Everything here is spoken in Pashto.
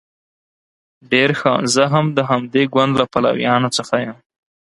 ډیر ښه زه هم د همدې ګوند له پلویانو څخه یم.